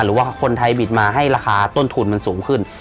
หรือว่าคนไทยบิดมาให้ราคาต้นทุนมันสูงขึ้น